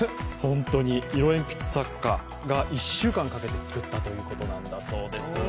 色鉛筆作家が１週間かけて作ったということなんです。